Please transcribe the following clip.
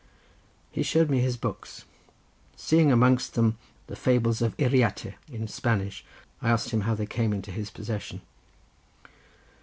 He showed me his books. Seeing amongst them The Fables of Yriarte in Spanish, I asked how they came into his possession.